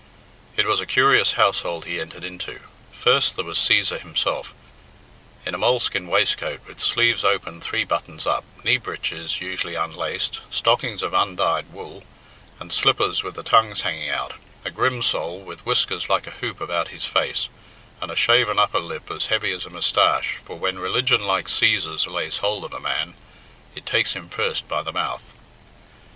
It was a curious household he entered into. First there was Cæsar himself, in a moleskin waistcoat with sleeves open three buttons up, knee breeches usually unlaced, stockings of undyed wool, and slippers with the tongues hanging out a grim soul, with whiskers like a hoop about his face, and a shaven upper lip as heavy as a moustache, for, when religion like Cæsar's lays hold of a man, it takes him first by the mouth.